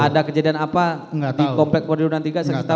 ada kejadian apa di komplek polri durian tiga saksi tahu enggak